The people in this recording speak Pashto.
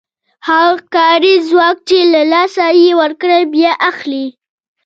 هغه کاري ځواک چې له لاسه یې ورکړی بیا اخلي